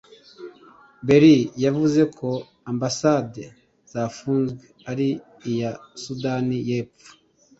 Beyle yavuze ko ambasade zafunzwe ari iya Sudani y’Epfo